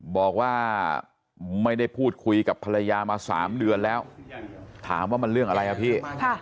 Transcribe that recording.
บอกว่าไม่ได้พูดคุยกับภรรยามา๓เดือนแล้วถามว่ามันเรื่องอะไรอ่ะพี่